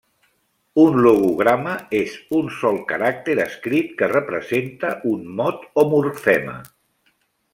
Un logograma és un sol caràcter escrit que representa un mot o morfema.